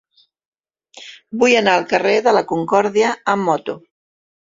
Vull anar al carrer de la Concòrdia amb moto.